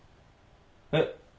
えっ？